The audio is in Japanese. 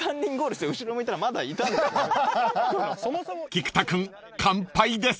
［菊田君完敗です］